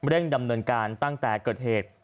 ดำเนินการตั้งแต่เกิดเหตุ